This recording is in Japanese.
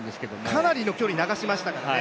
かなりの距離流しましたからね。